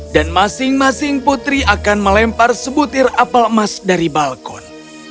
dan masing masing putri akan melempar sebutir apel emas dari balkon